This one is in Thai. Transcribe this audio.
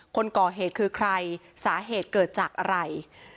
คนก่อเหตุคือใครสาเหตุเกิดจากอะไร